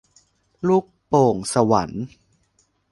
ลูกโป่งสวรรค์